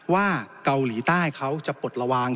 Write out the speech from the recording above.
ว่าเกาหลีใต้เขาจะปลดระวัง